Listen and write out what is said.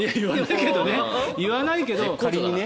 言わないけどね。